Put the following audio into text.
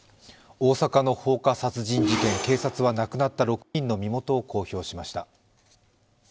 大阪の放火殺人事件、警察は亡くなった６人の身元を公表しました。